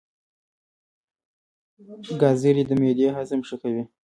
ګازرې د معدې هضم ښه کوي.